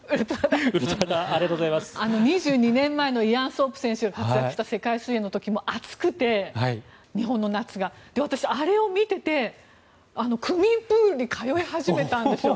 ２２年前のイアン・ソープ選手が活躍した世界水泳の時も日本の夏が暑くて私、あれを見ていて区民プールに通い始めたんです。